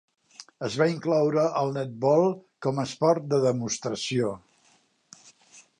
Es va incloure el netbol com a esport de demostració.